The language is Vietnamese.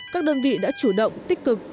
các đơn vị đã chủ động tích cực